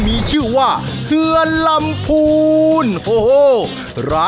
ดีเจนุ้ยสุดจีลา